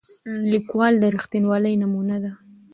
لیکوال د رښتینولۍ نمونه ده.